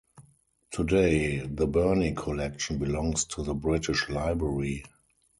Today, the Burney Collection belongs to the British Library.